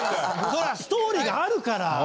ストーリーがあるから。